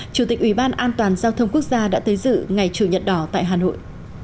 chủ tịch ủy ban an toàn giao thông quốc gia đã tới dự ngày chủ nhật đỏ tại hà nội